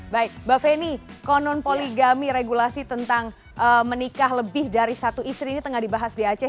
baik mbak feni konon poligami regulasi tentang menikah lebih dari satu istri ini tengah dibahas di aceh